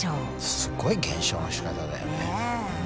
すごい減少のしかただよねえ。